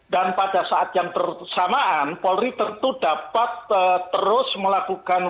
dan pada saat yang tersamaan polri tentu dapat terus melakukan